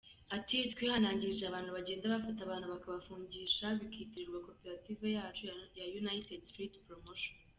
Ati, “Twihanangirije abantu bagenda bafata abantu bakabafungisha bikitirirwa cooperative yacu ya United Street Promotion.